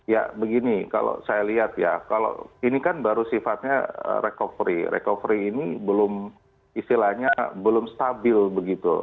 ya begini kalau saya lihat ya kalau ini kan baru sifatnya recovery recovery ini belum istilahnya belum stabil begitu